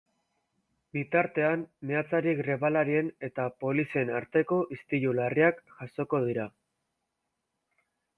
Bitartean, meatzari grebalarien eta polizien arteko istilu larriak jazoko dira.